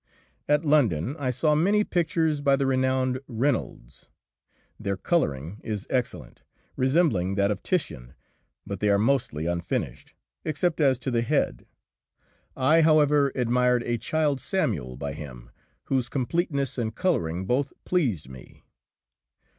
At London I saw many pictures by the renowned Reynolds; their colouring is excellent, resembling that of Titian, but they are mostly unfinished, except as to the head. I, however, admired a "Child Samuel" by him, whose completeness and colouring both pleased me.